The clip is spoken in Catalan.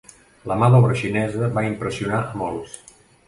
La mà d'obra xinesa va impressionar a molts.